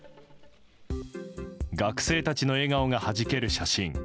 学生たちの笑顔がはじける写真。